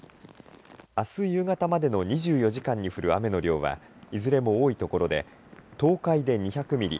あす夕方までの２４時間に降る雨の量はいずれも多い所で東海で２００ミリ